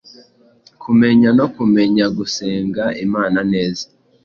Kumenya, no kumenya guenga Imana neza,